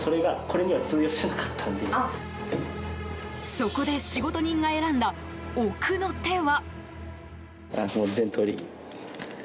そこで仕事人が選んだ奥の手は。